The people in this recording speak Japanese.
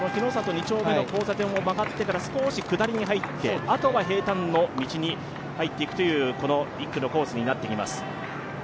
二丁目の交差点を曲がってから少し下りに入ってあとは平たんの道に入っていくという１区のコースです。